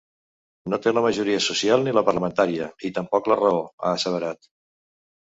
No té la majoria social ni la parlamentària, i tampoc la raó, ha asseverat.